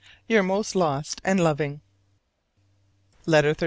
Your most lost and loving. LETTER XXXV.